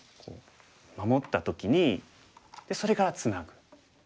守った時にでそれからツナぐ。